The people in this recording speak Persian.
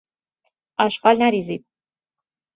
آشغال نریزید!